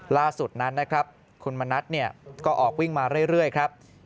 ล่าสุดนั้นนะครับคุณมณัฐก็ออกวิ่งมาเรื่อยครับ